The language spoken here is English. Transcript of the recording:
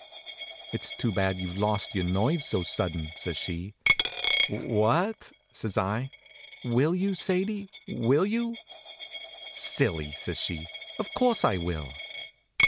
"It's too bad you've lost your nerve so sudden," says she. "Wha a at!" says I. "Will you, Sadie; will you?" "Silly!" says she. "Of course I will."